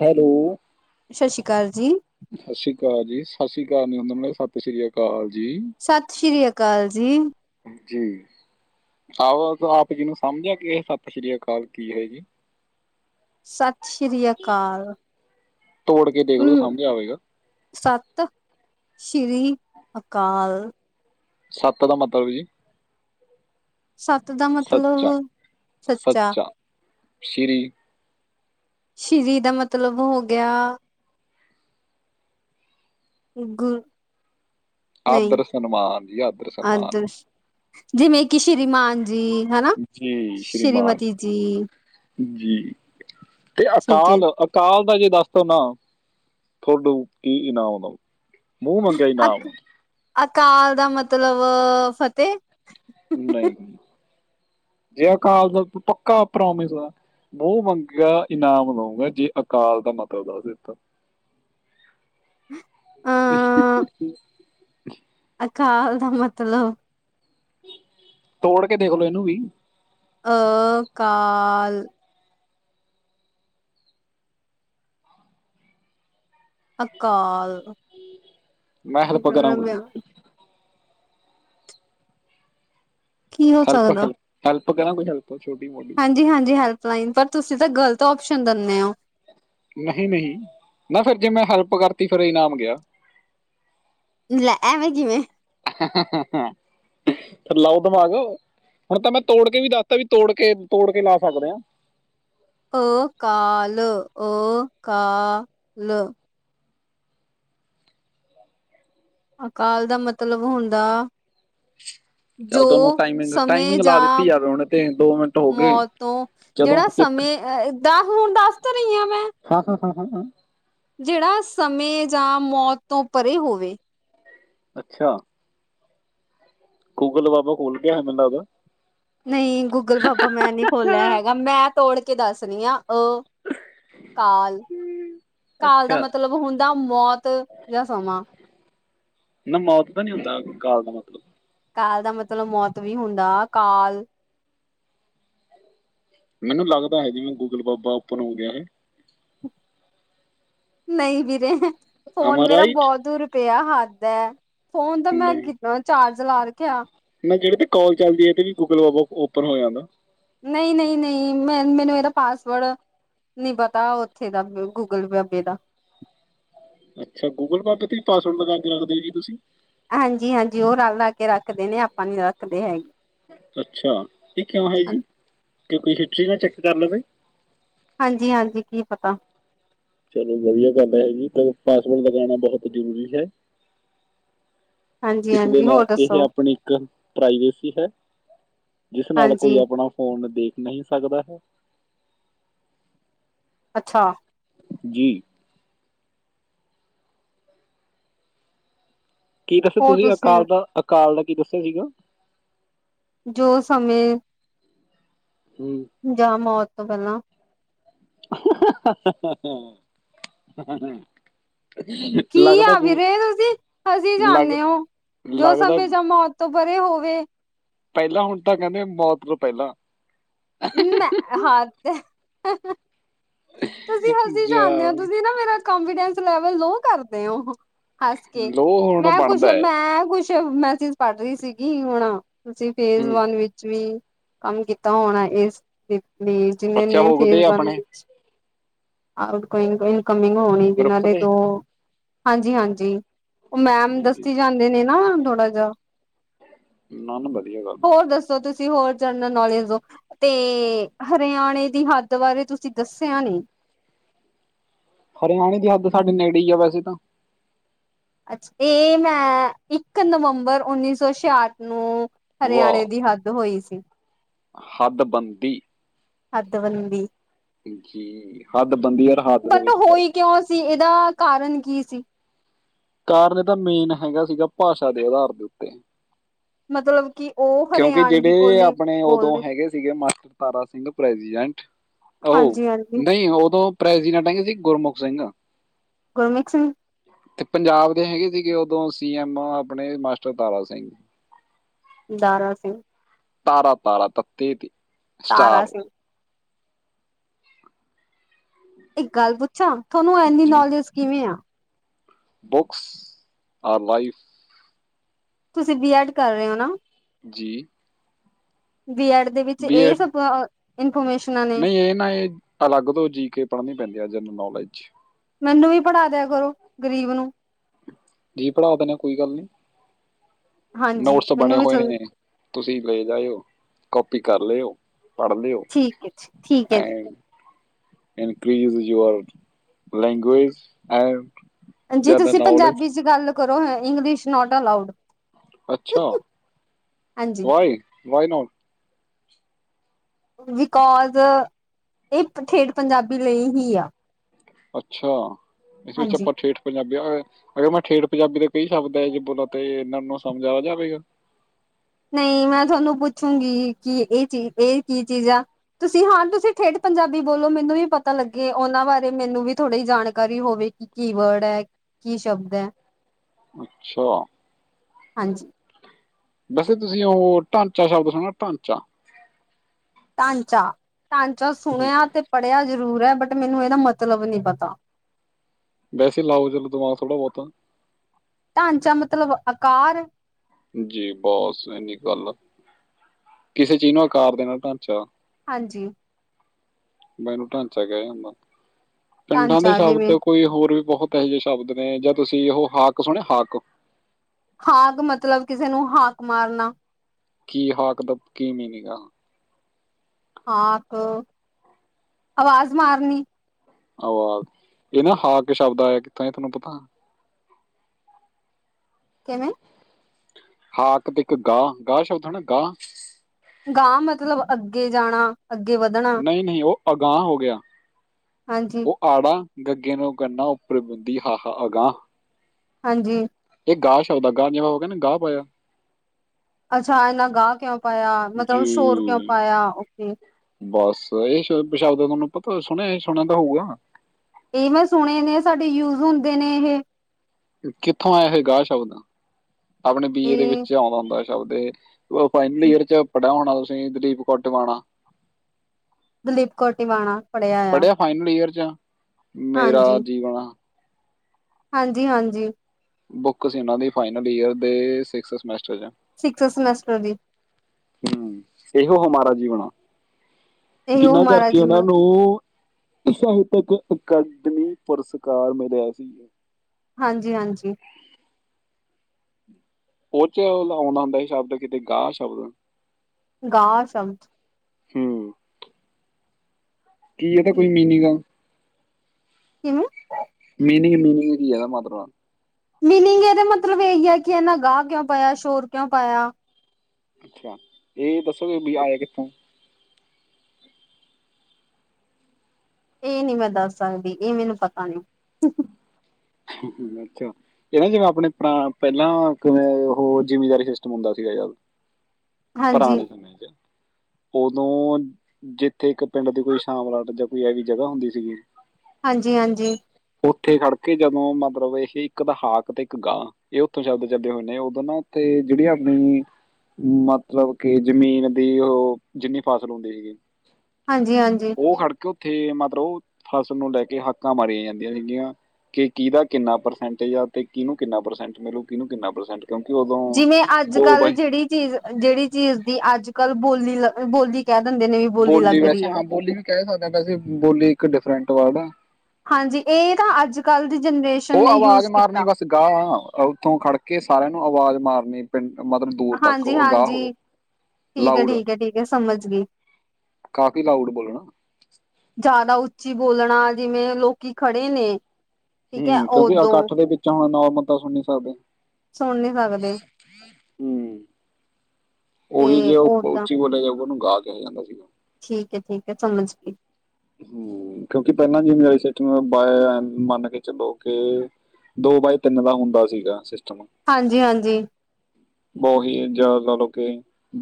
Hello. ਸਸ਼ੀ ਕਾਲ ਜੀ। ਸਤਿ ਸ੍ਰੀ ਅਕਾਲ ਜੀ। ਸਸ਼ੀ ਕਾਲ ਨੀ ਹੂੰਦਾ, ਮੈਡ, ਸਤਿ ਸ਼੍ਰੀ ਅਕਾਲ ਜੀ। ਸਤਿ ਸ਼੍ਰੀ ਅਕਾਲ ਜੀ। ਜੀ। ਆਹੋ, ਆਪ ਜੀ ਨੂੰ ਸਮਝਿਆ ਕਿ ਇਹ, ਸਤਿ ਸ਼੍ਰੀ ਅਕਾਲ, ਕੀ ਹੈ ਜੀ? ਸਤਿ ਸ਼੍ਰੀ ਅਕਾਲ। ਤੋੜ ਕੇ ਦੇਖਲੋ ਸਾਭਿਆਂ ਹੋਏਗਾ। ਸਤ ਸ਼੍ਰੀ ਅਕਾਲ। ਸੱਤ ਦਾ ਮਤਲਬ ਜੀ? ਸੱਤ ਦਾ ਸੱਚਾ ਮਤਲਬ 'ਸੱਚਾ'। ਸ਼੍ਰੀ ਸ਼੍ਰੀ ਦਾ ਮਤਲਬ ਹੋ ਗਿਆ ਗੁਰ ਨਹੀਂ ਆਦਰ ਸਨਮਾਨ ਜੀ, ਆਦਰ ਸਨਮਾਨ। ਆਦਰਸ਼ ਜਿਵੇਂ ਕਿ ਸ਼੍ਰੀਮਾਨ ਜੀ ਹਨਾ, ਜੀ ਸ਼੍ਰੀਮਾਨ ਸ਼੍ਰੀਮਤੀ ਜੀ। ਜੀ, ਤੇ ਠੀਕ ਹੈ ਅਕਾਲ! ਕਾਲ ਦਾ ਜੇ ਦੱਸ ਦੋ ਨਾ ਥੋਡੂ ਕੀ ਨਾਮ ਓਦਾ। ਮੂੰਹ ਮੰਗਿਆ ਇਨਾਮ। ਅਕ ਅਕਾਲ ਦਾ ਮਤਲਬ ਫਤਿਹ। ਨਹੀਂ, ਜੇ ਅਕਾਲ ਦਾ ਪੱਕਾ ਪ੍ਰੋਮਿਸ ਮੁਹ ਮੰਗਯਾ ਇਨਾਮ ਦਊਂਗਾ ਜੇ ਅਕਾਲ ਦਾ ਮਤਲਬ ਦੱਸ ਦਿੱਤਾ। [inaudible] ਅ ਅਕਾਲ ਦਾ ਮਤਲਬ ਤੋੜ ਕੇ ਦੇਖਲੋ ਇਹਨੂੰ ਵੀ। ਅ -ਕਾਲ। ਅਕਾਲ। ਮੈਂ ਹੈਲਪ ਕਰਾਂ ਕੋਈ? ਕੀ ਹੋ ਹੈਲਪ ਸਕਦਾ -ਹੈਲਪ-ਹੈਲਪ ਕਰਾ ਕੋਈ ਹੈਲਪ ਛੋਟੀ -ਮੋਟੀ। ਹਾਂਜੀ -ਹਾਂਜੀ, ਹੈਲਪਲਾਈਨ ਪਰ ਤੁਸੀਂ ਤਾਂ ਗ਼ਲਤ ਓਪਸ਼ਨ ਦੰਨੇ ਓ। ਨਹੀਂ- ਨਹੀਂ, ਨਾ ਫੇਰ ਜੇ ਮੈਂ ਹੈਲਪ ਕਰਤੀ ਫੇਰ ਇਨਾਮ ਗਿਆ। ਲੈ! ਐਵੇ ਕਿਵੇਂ। ਹਾਂ [unintelligible] ਫਿਰ ਲਾਓ ਦਿਮਾਗ, ਹੁਣ ਤਾਂ ਮੈਂ ਤੋੜ ਕੇ ਵੀ ਦੱਸਤਾ ਵੀ ਤੋੜ ਕੇ ਤੋੜ ਕੇ ਲਾ ਸਕਦੇ ਆ। ਅ -ਕਾ-ਲ, ਅ -ਕਾ-ਲ ਅਕਾਲ ਦਾ ਮਤਲਬ ਹੁੰਦਾ- ਜੋ ਚਲ ਤੁਹਾਨੂੰ ਟਾਈਮਿੰਗ ਸਮੇ ਟਾਈਮਿੰਗ ਲਾ ਜਾਂ ਦਿੱਤੀ ਯਾਰ ਹੁਣ ਤੇ ਮਿੰਟ ਹੋ ਗਏ ਮੌਤ ਤੋਂ- ਚਲੋ ਜਿਹੜਾ ਇੱਕ ਸਮੇ ਦਾਂ ਹੁਣ ਦੱਸ ਤਾਂ ਰਹੀ ਆ ਮੈਂ। ਹਾਂ ਹਾਂ ਹ ਹ [unintelligible] ਜਿਹੜਾ ਸਮੇ ਜਾਂ ਮੌਤ ਤੋਂ ਪਰੇ ਹੋਵੇ। ਅੱਛਾ। ਗੂਗਲ ਬਾਬਾ ਖੁਲ ਗਿਆ ਏ ਮੈਨੂੰ ਲਗਦਾ। ਨਹੀਂ ਗੂਗਲ ਬਾਬਾ ਮੈਂ ਨੀ ਖੋਲਿਆ ਹੈਗਾ, ਮੈਂ ਤੋੜ ਕੇ ਦੱਸ ਰਹੀ ਆਂ। ਅ ਕਾਲ, ਕਾਲ ਦਾ ਅੱਛਾ ਮਤਲਬ ਹੁੰਦਾ ਮੌਤ ਯਾਂ ਸਮਾਂ। ਨਾ ਮੌਤ ਤਾਂ ਨੀ ਹੁੰਦਾ ਕਾਲ ਦਾ ਮਤਲਬ। ਕਾਲ ਦਾ ਮਤਲਬ ਮੌਤ ਵੀ ਹੁੰਦਾ, ਕਾਲ। ਮੈਨੂੰ ਲੱਗਦਾ ਹੈ ਜੀਵੇਂ ਗੂਗਲ ਬਾਬਾ ਓਪਨ ਹੋ ਗਿਆ ਹੈ। ਨਹੀਂ ਵੀਰੇ! ਆਮ ਫੋਨ ਮੇਰਾ ਰਾਈਟ ਬਹੁਤ ਪਇਆ, ਹੱਦ ਹੈ। ਫੋਨ ਤਾਂ ਮੈਂ ਨਹੀਂ ਕਿੱਦਾਂ ਚਾਰਜ ਲਾ ਰੱਖਿਆ। ਨਾ ਜਿਹੜੇ ਤੇ ਕਾਲ ਚੱਲਦੀ ਹੈ ਇਹਦੇ ਤੇ ਵੀ ਗੂਗਲ ਬਾਬਾ ਓਪਨ ਹੋ ਜਾਂਦਾ। ਨਹੀਂ- ਨਹੀਂ -ਨਹੀਂ ਮੈਂ ਮੈਨੂੰ ਇਹਦਾ ਪਾਸਵਰਡ ਨਹੀ ਪਤਾ ਉੱਥੇ ਦਾ ਗੂਗਲ ਬਾਬੇ ਦਾ ਅੱਛਾ! ਗੂਗਲ ਬਾਬੇ ਤੇ ਹੀ ਪਾਸਵਰਡ ਲਗਾ ਕੇ ਰੱਖਦੇ ਜੀ ਤੁਸੀਂ? ਹਾਂਜੀ- ਹਾਂਜੀ, ਉਹ ਰਲ ਲ ਕੇ ਰੱਖਦੇ ਨੇ ਆਪਾਂ ਨੀ ਰੱਖਦੇ ਹੈਗੇ ਅੱਛਾ, ਇਹ ਕਿਉਂ ਹੈ ਜੀ? ਕਿ ਕੋਈ ਹਿਸਟਰੀ ਨਾ ਚੈੱਕ ਕਰ ਲਵੇ। ਹਾਂਜੀ -ਹਾਂਜੀ, ਕੀ ਪਤਾ? ਚਲੋ ਵਧੀਆ ਗੱਲ ਹੈ ਜੀ, ਪਾਸਵਰਡ ਲਗਾਉਣਾ ਬਹੁਤ ਜ਼ਰੂਰੀ ਹੈ। ਹਾਂਜੀ ਇਸਦੇ ਹਾਂਜੀ ਨਾਲ ਹੋਰ ਇਹ ਦੱਸੋ ਆਪਣੀ ਇੱਕ ਪ੍ਰਾਈਵੇਸੀ ਹੈ ਜਿਸ ਨਾਲ ਕੋਈ ਹਾਂਜੀ ਆਪਣਾ ਫੋਨ ਦੇਖ ਨਹੀਂ ਸਕਦਾ ਹੈ। ਅੱਛਾ ਜੀ ਕੀ ਦੱਸਿਆ ਤੁਸੀਂ ਅਕਾਲ ਦਾ ਅਕਾਲ ਦਾ ਕੀ ਦੱਸਿਆ ਸੀਗਾ? ਜੋ ਸਮੇਂ ਹੁ ਜਾਂ ਮੌਤ ਤੋਂ ਪਹਿਲਾਂ [unintelligible] [unintelligible] ਅ [unintelligible] [unintelligible] ਕੀ ਆ ਵੀਰੇ ਤੁਸੀਂ ਹਸੀਂ ਲੱਗ ਜਾਂਨੇ ੳ। ਜੋ ਲੱਗਦਾ ਸਮੇਂ ਜਾਂ ਮੌਤ ਤੋਂ ਪਰੇ ਹੋਵੇ ਪਹਿਲਾਂ ਹੁਣ ਤਾਂ ਕਹਿੰਦੇ ਮੌਤ ਤੋਂ ਪਹਿਲਾਂ ਹੱਦ ਹੈ ਤੁਸੀਂ ਹਸੀ ਜਾਨੇ ੳ ਜਾ- ਤੁਸੀਂ ਨਾ ਮੇਰਾ ਕੋਂਫੀਡੈਂਸ ਲੈਵਲ ਲੋ ਕਰਦੇ ੳ ਹੱਸ ਕੇ ਲੋਹ ਹੁਣ ਮੈਂ ਕੁਸ਼ ਬਣਦਾ ਹੈ ਮੈਂ ਕੁਸ਼ ਮੈਸਿਜ ਪੜ੍ਹ ਰਹੀ ਸੀਗੀ ਹੁਣ ਤੁਸੀਂ ਫੇਜ ਹੂੰ ਵਨ ਵਿੱਚ ਵੀ ਕੰਮ ਕੀਤਾ ਹੋਣਾ ਇਸ ਲਈ ਅੱਛਾ ਜਿੇਨੇ ਹੋ ਫੇਜ ਗਦੇ ਵਨ ਆਪਣੇ ਵਿੱਚ ਆਗ ਇਨਕਮਿੰਗ ਹੋਣੀ ਜਿਨਾਂ ਦੇ ਤੋਂ ਹਾਂਜੀ ਹਾਂਜੀ [unintelligible] ਉਹ ਮੈਮ ਦਸੀ ਜਾਂਦੇ ਨੇ ਨਾ ਥੋੜਾ ਜਿਆ ਨਾ ਨਾ ਵਧੀਆ ਗੱਲ ਆ ਤੁਸੀਂ ਹੋਰ ਜਨਰਲ ਨੌਲੇਜ ਦੋ ਤੇ ਹਰਿਆਣੇ ਦੀ ਹੱਦ ਬਾਰੇ ਤੁਸੀਂ ਦੱਸਿਆ ਨੀ ਹਰਿਆਣੇ ਦੀ ਹੱਦ ਸਾਡੇ ਨੇੜੇ ਇਆ ਵੈਸੇ ਤਾਂ ਅੱਛਾ ਇਹ ਮੈਂ ਇੱਕ ਨਵੰਬਰ ਉੱਨੀ ਸੌ ਛਿਆਠ ਨੂੰ ਹਰਿਆਣੇ ਦੀ ਹੱਦ ਹੋਈ ਸੀ। ਹੱਦਬੰਤਿ। [unintelligible] ਹੱਦ ਬਨਦੀ। ਹੱਦ ਬਣਦੀ ਹੈ ਨਾ ਹੱਦ ਦੇ ਬਟ ਵਿੱਚ ਫ਼ਰਕ। ਹੋਈ ਕਿਉਂ ਸੀ ਇਹਦਾ ਕਾਰਨ ਕੀ ਸੀ। ਕਾਰਨ ਇਹਦਾ ਮੇਨ ਹੈਗਾ ਸੀਗਾ ਭਾਸ਼ਾ ਦੇ ਆਧਾਰ ਦੇ ਉੱਤੇ। ਮਤਲਬ। ਕਿ ਓ। ਕਿਉਂਕਿ ਜਿਹੜੇ ਆਪਣੇ ਉਦੋਂ ਹੈਗੇ ਸੀਗੇ ਮਾਸਟਰ ਤਾਰਾ ਸਿੰਘ ਪ੍ਰੈਜੀਡੈਂਟ ਅੳ ਹਾਂਜੀ ਹਾਂਜੀ ਨਹੀਂ ਉਦੋਂ ਪ੍ਰੈਜੀਡੇਂਟ ਹੈਗੇ ਸੀ ਗੁਰਮੁਖ ਸਿੰਘ ਗੁਰਮੀਤ ਸਿੰਘ ਤੇ ਪੰਜਾਬ ਦੇ ਹੈਗੇ ਸੀਗੇ ਉਦੋਂ ਸੀ ਐਮ ਆਪਣੇ ਮਾਸਟਰ ਤਾਰਾ ਸਿੰਘ ਦਾਰਾ ਸਿੰਘ ਤਾਰਾ ਤਾਰਾ ਤੱ ਤੇ [unintelligible] ਤਾਰਾ ਸਟਾਰ ਸਿੰਘ ਇੱਕ ਗੱਲ ਪੁੱਛਾਂ ਤੁਹਾਨੂੰ ਏਨੀ ਜੀ ਨੌਲੇਜ ਕਿਵੇਂ ਆ ਬੁੱਕਸ ਆਰ ਲਾਈਫ ਤੁਸੀਂ ਬੀ ਐਡ ਕਰ ਰਹੇ ੳ ਨਾ। ਜੀ। ਬੀ ਐਡ ਦੇ ਵਿੱਚ ਇਹ ਬੀਐਡ ਸਭ ਅ ਇਨਫੋਰਮੇਸ਼ਨ। ਨਹੀਂ ਇਹ ਨਾ ਇਹ ਅਲੱਗ ਤੋਂ ਜੀ ਕੇ ਪੜ੍ਹਨੀ ਪੈਂਦੀ ਆ ਜਨਰਲ ਨੌਲੇਜ। ਮੈਨੂੰ ਵੀ ਪੜ੍ਹਾ ਦਿਆ ਕਰੋ ਗ਼ਰੀਬ ਨੂੰ। ਜੀ ਪੜ੍ਹਾ ਦੇਨੇ ਆ ਕੋਈ ਗੱਲ ਨੀ। ਹਾਂਜੀ ਨੋਟਸ ਬਣੇ ਮੈਨੂੰ ਵੀ ਹੋਏ ਸੁਣ ਨੇ ਤੁਸੀਂ ਲੈ ਜਾਇਓ ਕਾਪੀ ਕਰ ਲਿਓ। ਪੜਦੇ ਓ ਠੀਕ ਹੈ ਜੀ ਠੀਕ ਹੈ ਜੀ ਏਵੇ। Increase your language and. ਭੈਣਜੀ ਜਨਰਲ ਤੁਸੀਂ ਨੌਲੇਜ ਪੰਜਾਬੀ 'ਚ ਗੱਲ ਕਰੋ, ਹੈਂ ਇੰਗਲਿਸ਼ ਨੋਟ ਅਲਾਉਡ। ਅੱਛਾ, ਹਾਂਜੀ ਵਾਏ, ਵਾਏ ਨੋਟ। ਬੀਕਾਜ਼, ਇਹ ਏ ਠੇਠ ਪੰਜਾਬੀ ਲਈ ਹੀ ਆ। ਅੱਛਾ ਇਸ ਵਿਚ ਹਾਂਜੀ ਆਪਾ ਠੇਠ। ਪੰਜਾਬੀ ਅਗ ਅਗਰ ਮੈਂ ਠੇਠ ਪੰਜਾਬੀ ਦਾ ਕਈ ਸ਼ਬਦ ਏਹਾ ਜੇ ਬੋਲਾਂ, ਤੇ ਇਹਨਾਂ ਨੂੰ ਸਮਝ ਆ ਜਾਵੇਗਾ। ਨਹੀਂ ਮੈਂ ਤੁਹਾਨੂੰ ਪੁੱਛੂੰਗੀ, ਕੀ ਇਹ ਚੀਜ ਇਹ ਕੀ ਚੀਜ਼ ਆ। ਤੁਸੀਂ ਹਾਂ ਤੁਸੀਂ ਠੇਠ ਪੰਜਾਬੀ ਬੋਲੋ ਮੈਨੂੰ ਵੀ ਪਤਾ ਲੱਗੇ, ਉਹਨਾਂ ਬਾਰੇ ਮੈਨੂੰ ਵੀ ਥੋੜੀ ਜਾਣਕਾਰੀ ਹੋਵੇ ਕਿ। ਕੀ ਵਰਡ ਹੈ, ਕੀ ਸ਼ਬਦ ਹੈ। ਅੱਛਾ। ਹਾਂਜੀ। ਵੈਸੇ ਤੁਸੀਂ ਉਹ ਢਾਂਚਾ ਸ਼ਬਦ ਸੁਣਐ, ਢਾਂਚਾ। ਢਾਂਚਾ-ਢਾਂਚਾ ਸੁਣਿਆ ਤੇ ਪੜ੍ਹਿਆ ਜ਼ਰੂਰ ਹੈ, ਬਟ ਮੈਨੂੰ ਇਹਦਾ ਮਤਲਬ ਨੀ ਪਤਾ। ਵੈਸੇ ਲਾਓ, ਦੇਖੋ ਦਿਮਾਗ ਥੋੜਾ ਬਹੁਤਾ। ਢਾਂਚਾ ਮਤਲਬ ਆਕਾਰ। ਜੀ ਬਹੁਤ ਸਹੀ ਗੱਲ ਹੈ, ਕਿਸੇ ਚੀਜ਼ ਨੂੰ ਆਕਾਰ ਦੇਣਾ ਢਾਂਚਾ। ਹਾਂਜੀ। ਮੈਨੂੰ ਢਾਂਚਾ ਕਹਿ ਜਾਂਦਾ, ਪਿੰਡਾਂ ਦੇ ਢਾਂਚਾ ਸ਼ਬਦ ਜਿਵੇਂ ਓ। ਕੋਈ ਹੋਰ ਵੀ ਬਹੁਤ ਇਹੋ ਜਿਹੇ ਸ਼ਬਦ ਨੇ, ਜਾਂ ਤੁਸੀਂ ਉਹ ਹਾਕ ਸੁਣਿਆ ਹਾਕ। ਹਾਕ ਮਤਲਬ ਕਿਸੇ ਨੂੰ ਹਾਕ ਮਾਰਨਾ ਕੀ ਹਾਕ ਦਾ, ਕੀ ਮੀਨਿੰਗ ਆ ਹਾਂਕ ਹਾ, ਆਵਾਜ਼ ਮਾਰਨੀ। ਆਵਾਜ਼ ਇਹ ਨਾ ਹਾਕ ਸ਼ਬਦ ਆਇਆ ਕਿੱਥੋਂ, ਤੁਹਾਨੂੰ ਪਤਾ। ਕਿੰਨੇ ਹਾਕ ਤੇ ਇੱਕ ਗਾਹ -ਗਾਹ, ਸ਼ਬਦ ਹੈ ਨਾ ਗਾਹ ਗਾਂਹ, ਮਤਲਬ ਅੱਗੇ ਜਾਣਾ। ਅੱਗੇ ਵਧਣਨ। ਨਹੀ -ਨਹੀ ਉਹ ਅਗਾਂਹ ਹੋ ਗਿਆ, ਹਾਂਜੀ ਉਹ ਆੜਾ ਗੱਗੇ ਨੂੰ ਕੰੰਨਾ ਉੱਪਰ ਬੁੰਦੀ ਹਾ ਹਾ ਅਗਾਂ ਹਾਂਜੀ ਇਹ ਗਾਹ ਸ਼ਬਦ ਐ, ਗਾਹ ਜਿ ਹੋ ਗਿਆ ਨਾ ਗਾਹ ਪਾਇਆ ਅੱਛਾ, ਇੰਨਾ ਗਾਹ ਕਿਉਂ ਪਾਇਆ, ਮਤਲਬ ਸ਼ੋਰ ਕਿਉਂ ਪਾਇਆ ਔ ਕੇ ਬੱਸ ਇਹ ਸ਼ਬਦ ਤੁਹਾਨੂੰ ਪਤਾ ਸੁਣਿਆ- ਸੁਣਿਆ ਤਾਂ ਹੋਊਗਾ ਇਹ ਮੈਂ ਸੁਣੇ ਨੇ, ਸਾਡੇ ਯੂਜ ਹੁੰਦੇ ਨੇ ਏ ਹੇ ਕਿੱਥੋਂ ਆਇਆ ਏ ਗਾਹ ਸ਼ਬਦ, ਆਪਣੇ ਬੀ ਏ ਦੇ ਇਹ ਵਿੱਚ ਆਉਂਦਾ ਹੁੰਦਾ ਸ਼ਬਦ ਇਹ ਏ। ਫਾਈਨਲ ਈਅਰ 'ਚ ਪੜ੍ਹਿਆ ਹੋਣਾ ਤੁਸੀਂ, ਦਲੀਪ ਕੋਟਵਣਾ। ਦਲੀਪ ਕੌਰਟਿਵਾਣਾ ਪੜਾਇਆ ਆਯਾ ਪੜਿਆ ਫਾਈਨਲ ਈਅਰ ਚ ਆਂ, ਮੇਰਾ ਜੀਵਨ ਆਅ। ਹਾਂਜੀ-ਹਾਂਜੀ। ਬੁੱਕ ਸੀ ਉਹਨਾ ਦੀ, ਫਾਈਨਲ ਯੀਅਰ ਦੇ ਸਿਕਸਥ ਸੇਮਸਟਰ ਚ ਆਂ। ਸਿਕ੍ਸਥ ਸੈਮੈਸਟਰ ਦੀ। ਹਮ ਇਹੋ ਹਮਾਰਾ ਜੀਵਨ ਆ, ਇਹੋ ਜਿਨਾਂ ਕਰਕੇ ਮਹਾਰਾਜ ਜੀ। ਉਹਨਾਂ ਨੂੰ ਸਾਹਿਤਕ ਅਕਾਦਮੀ ਪੁਰਸਕਾਰ ਮਿਲਿਆ ਸੀ। ਹਾਂਜੀ- ਹਾਂਜੀ ਪਚਿਆ ਆਉਂ ਹੁੰਂਦਾ ਸ਼ਬਦ, ਕਿਤੇ ਗਾਹ ਸ਼ਬਦ ਗਾਹ ਸ਼ਬਦ ਹੂ ਕੀ ਇਹਦਾ, ਕੋਈ ਠੀਕ ਹੈ। ਮੀਨਿੰਗ ਐ ਕਿਵੇਂ ਮੀਨਿੰਗ ਮੀਨਿੰਗ ਕੀ ਹੈਦਾ ਮਾ ਮੀਨਿੰਗ ਇਹਦੇ ਮਤਲਬ ਇਹੀ ਹੈ, ਕਿ ਇਹਨਾ ਗਾਹ ਕਿਉਂ ਪਾਇਆ ਸ਼ੋਰ ਕਿਉਂ ਪਾਇਆ। ਅੱਛਾ ਇਹ ਦੱਸੋ ਕਿ ਬ ਆਏ ਕਿੱਥੋਂ ਇਹ ਨੀ ਮੈਂ ਦੱਸ ਸਕਦੀ ਇਹ ਮੈਨੂੰ ਪਤਾ ਨਹੀਂ [inaudible] ਅੱਛਾ ਇਹ ਨਾ ਜ ਆਪਣੇ ਪਹਿਲਾਂ ਕਿਵੇਂ ਉਹ ਜਿਮੀਦਾਰੀ ਸਿਸਟਮ ਹੁੰਦਾ ਸੀਗਾ ਯਾਰ ਹਾਂਜੀ ਪੁਰਾਣੇ ਸਮੇਂ 'ਚ ਉਦੋਂ ਜਿੱਥੇ ਇੱਕ ਪਿੰਡ ਦੀ ਕੋਈ ਸ਼ਾਮਲਾਟ ਜਾਂ ਕੋਈ ਐ ਜ ਜਗ੍ਹਾ ਹੁੰਦੀ ਸੀਗੀ। ਹਾਂਜੀ -ਹਾਂਜੀ ਉਥੇ ਖੜਕੇ ਜਦੋਂ ਮਤਲਬ ਇਹ ਇੱਕ ਹਾਕ ਤੇ ਇੱਕ ਗਾਂ ਇਹ ਉਥੋਂ ਸ਼ਬਦ [unintelligible] ਚਦੇ ਹੋਏ ਨੇ ਉਦੋਂ ਨਾ ਤੇ ਜਿਹੜੀ ਆਪਣੀ ਮਤਲਬ ਕਿ ਜਮੀਨ ਦੀ ਉਹ ਜਿੰਨੀ ਫਸਲ ਹੁੰਦੀ ਹੀਗੀ। ਹਾਂਜੀ ਹਾਂਜੀ ਉਹ ਖੜ ਕੇ ਉੱਥੇ ਮਤਲਬ ਫਸਲ ਨੂੰ ਲੈ ਕੇ ਹੱਕਾਂ ਮਾਰੀ ਜਣ ਸੀਗੀਆਂ ਕਿ ਕੀ ਦਾ ਕਿੰਨਾ ਪ੍ਰਸੈਂਟਜ ਆ ਤੇ ਕਿਹਨੂੰ ਕਿੰਨਾ ਪ੍ਰਸੈਂਟ ਮਿਲੂ ਕਿਹਨੂੰ ਕਿੰਨਾ ਪ੍ਰਸੈਂਟ ਜਿਵੇਂ ਅੱਜ ਕੱਲ੍ਹ ਜਿਹੜੀ ਚੀਜ਼- ਜਿਹੜੀ ਚੀਜ਼ ਦੀ ਅੱਜ ਕੱਲ੍ਹ ਬੋਲੀ-ਬੋਲੀ ਕਹਿ ਦਿੰਦੇ ਨੇ ਵੀ ਬੋਲੀ ਲੱਗ ਰਹੀ ਵੈਸੇ ਏ। ਹਾਂ ਬੋਲੀ ਵੀ ਕਹਿ ਸਕਦੇ ਹਾਂ ਵੈਸੀ ਬੋਲੀ ਇੱਕ ਡਿਫਰੈਂਟ ਵਾ ਨਾ ਹਾਂਜੀ ਇਹ ਤਾਂ ਅੱਜ ਕੱਲ੍ਹ ਦੀ ਜਨਰੇਸ਼ਨ ਉਹ ਨੇ ਆਵਾਜ਼ ਯੂਜ ਮਾਰਨੀ ਕੀਤਾ ਬਸ ਗਾਂਹ ਉਥੋਂ ਖੜ ਕੇ ਸਾਰਿਆਂ ਨੂੰ ਆਵਾਜ਼ ਮਾਰਨੀ। ਪਿੰਡ ਮਤਲਬ ਦੂਰ ਤੱਕ ਹਾਂਜੀ ਅਗਾਂਹ ਹੋਵੋ ਹਾਂਜੀ ਠੀਕ ਹੈ ਲਾਊਡ ਠੀਕ ਹੈ ਠੀਕ ਹੈ ਸਮਝ ਗਈ ਕਾਫ਼ੀ ਲਾਊਡ ਬੋਲਣਾ ਜ਼ਿਆਦਾ ਉੱਚੀ ਬੋਲਣਾ ਜਿਵੇਂ ਲੋਕੀ ਖੜੇ ਨੇ। ਠੀਕ ਹੈ ਹੂੰ ਕਿਉਂਕਿ ਉਦੋਂ ਇਕੱਠ ਦੇ ਵਿੱਚ ਹੁਣ ਨੋਰਮ ਤਾਂ ਸੁਣ ਨਹੀਂ ਸਕਦੇ। ਸੁਣ ਨਹੀਂ ਸਕਦੇ। ਹੂੰ ਉਹੀ ਜੇ ਤੇ ਉਹ ਓਦਾਂ ਉੱਚੀ ਬੋਲਿਆ ਜਾ ਉਹਨੂੰ ਗਾ ਕਿਹਾ ਜਾਂਦਾ। ਸੀਗਾ। ਠੀਕ ਹੈ -ਠੀਕ ਹੈ ਸਮਝ ਗਈ। ਹੂੰ ਕਿਉਂਕਿ ਪਹਿਲਾਂ ਜਿੰਮੇਵਾਰੀ ਸ ਬਾਏ ਮੰਨ ਕੇ ਚੱਲੋ ਕੇ ਦੋ ਬਾਏ ਤਿੰਨ ਦਾ ਹੁੰਦਾ ਸੀਗਾ ਸਿਸਟਮ ਹਾਂਜੀ- ਹਾਂਜੀ ਬਹੁ ਹੀ ਜਿਆ ਲਾ ਲਓ ਕਿ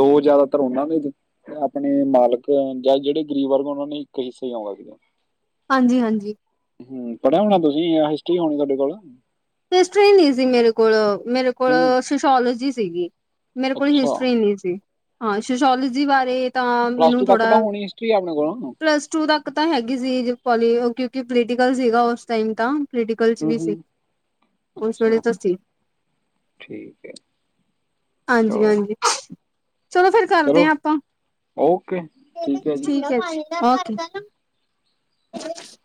ਦੋ ਜ਼ਿਆਦਾਤਰ ਉਹਨਾਂ ਨੇ ਤੇ ਆਪਣੇ ਮਾਲਕ ਜਾਂ ਜਿਹੜੇ ਗਰੀਬ ਵਰਗ ਉਹਨਾਂ ਨੇ ਇੱਕ ਹਿੱਸੇ ਹੀ ਆਉਂਦਾ ਸੀਗਾ। ਹਾਂਜੀ -ਹਾਂਜੀ ਹੂੰ ਪੜ੍ਹਿਆ ਹੋਣਾ ਤੁਸੀਂ ਜਾਂ ਹਿਸਟਰੀ ਹੋਣੀ ਤੁਹਾਡੇ ਕੋਲ ਹਿਸਟਰੀ ਨਹੀਂ ਸੀ ਮੇਰੇ ਕੋਲੋ ਮੇਰੇ ਹੂੰ ਕੋਲੋ ਸੋਸ਼ੋਲੋਜੀ ਸੀਗੀ। ਮੇਰੇ ਕੋਲ ਅੱਛਾ ਹਿਸਟਰੀ ਨਹੀਂ ਸੀ ਹਾਂ ਸੋਸ਼ੋਲੋਜੀ ਬਾਰੇ ਤਾਂ ਪਲੱਸ ਮੈਨੂੰ ਟੂ ਤੱਕ ਥੋੜਾ ਤਾਂ ਹੋਣੀ ਹਿਸਟਰੀ ਆਪਣੇ ਕੋਲ ਹੂੰ ਪਲੱਸ ਟੂ ਤੱਕ ਤਾਂ ਹੈਗੀ ਸੀ ਪ ਕਿਉਂਕਿ ਪੋਲੀਟੀਕਲ ਸੀਗਾ ਉਸ ਟਾਈਮ ਤਾਂ ਪੋਲੀਟੀਕਲ 'ਚ ਵੀ ਸੀ। ਹੂੰ ਉਸ ਵੇਲੇ ਅੱਛਾ ਤਾ ਸੀ ਠੀਕ ਹੈ ਹਾਂਜੀ- ਚਲੋ ਹਾਂਜੀ। ਚਲੋ ਫੇਰ ਕਰਦੇ ਚਲੋ ਆਪਾਂ ਓਕੇ ਹੈ ਜੀ। ਠੀਕ ਹੈ ਜੀ। [unintelligible]